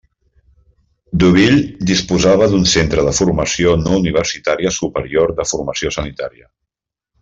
Deauville disposava d'un centre de formació no universitària superior de formació sanitària.